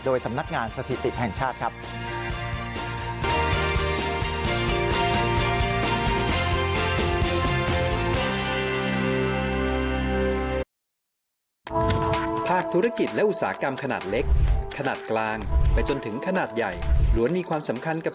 สำนักงานสถิติแห่งชาติครับ